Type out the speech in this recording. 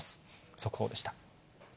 速報でした。